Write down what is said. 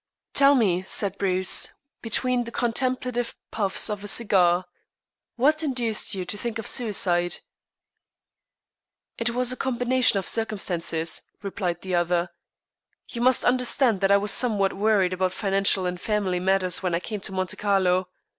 "Tell me," said Bruce, between the contemplative puffs of a cigar, "what induced you to think of suicide?" "It was a combination of circumstances," replied the other. "You must understand that I was somewhat worried about financial and family matters when I came to Monte Carlo.